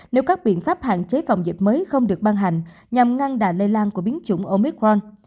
nếu các biện pháp hạn chế phòng dịch mới không được ban hành nhằm ngăn đà lây lan của biến chủng omicron